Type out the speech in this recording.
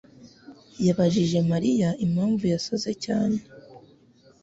yabajije Mariya impamvu yasaze cyane.